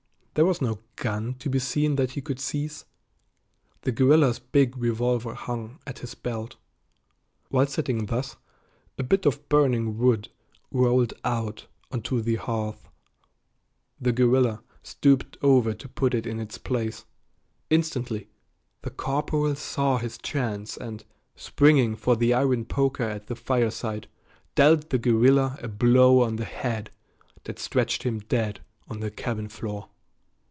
There was no gun to be seen that he could seize. The guerrilla's big revolver hung at his belt. While sitting thus, a bit of burning wood rolled out onto the hearth. The guerrilla stooped over to put it in its place. Instantly the corporal saw his chance and, springing for the iron poker at the fireside, dealt the guerrilla a blow on the head that stretched him dead on the cabin floor.